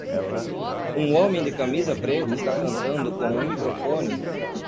Um homem de camisa preta está cantando com um microfone